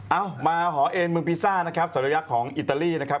เอามาหอเอนเมืองพิซซ่านะครับสัญลักษณ์ของอิตาลีนะครับ